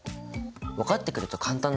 分かってくると簡単だね。